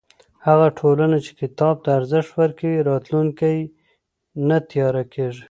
هغه ټولنه چې کتاب ته ارزښت ورکوي، راتلونکی یې نه تیاره کېږي.